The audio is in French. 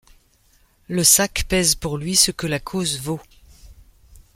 Le sac pèse pour lui ce que la cause vaut.